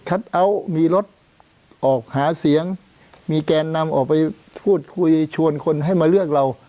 เอาท์มีรถออกหาเสียงมีแกนนำออกไปพูดคุยชวนคนให้มาเลือกเรา